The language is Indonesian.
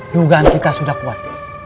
dugaan kita sudah kuat